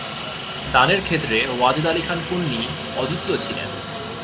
দানের ক্ষেত্রে ওয়াজেদ আলী খান পন্নী অদ্বিতীয় ছিলেন।